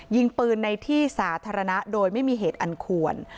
ยิงปืนในที่สาธารณะโดยไม่มีเหตุอันควร